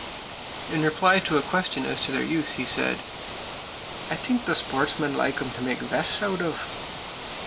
In reply to a question as to their use, he said: "I tink de sportsmen like 'em for to make vests oud of."